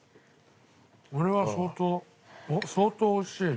俺は相当相当美味しいね。